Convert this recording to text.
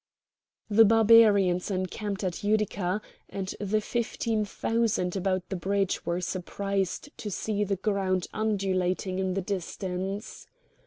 The Barbarians encamped at Utica, and the fifteen thousand about the bridge were surprised to see the ground undulating in the distance.